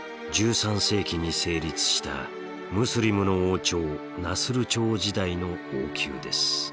１３世紀に成立したムスリムの王朝ナスル朝時代の王宮です。